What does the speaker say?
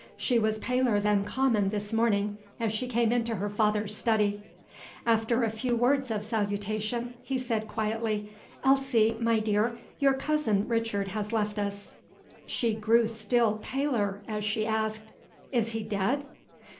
She was paler than common this morning, as she came into her father's study. After a few words of salutation, he said quietly, "Elsie, my dear, your cousin Richard has left us." She grew still paler, as she asked, "Is he dead?"